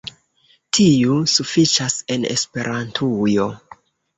Tiu sufiĉas en Esperantujo